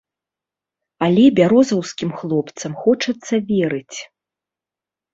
Але бярозаўскім хлопцам хочацца верыць.